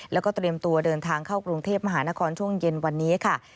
แล้วก็เตรียมตัวเดินทางเข้ากรุงเทพมหานครช่วงเย็นวันนี้ค่ะ